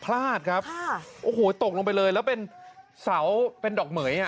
เพลาตครับโอ้โหตกลงไปเลยแล้วเป็นเสาร์เป็นดอกเหม๋ย